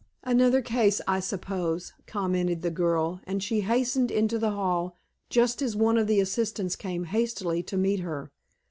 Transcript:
"Another case, I suppose," commented the girl, and she hastened into the hall just as one of the assistants came hastily to meet her.